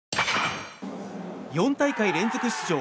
４大会連続出場